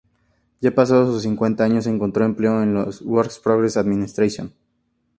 Ya pasados sus cincuenta años encontró empleo en la Works Progress Administration.